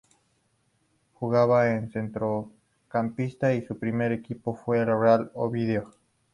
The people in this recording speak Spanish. Jugaba de centrocampista y su primer equipo fue el Real Oviedo.